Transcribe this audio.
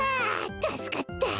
たすかった。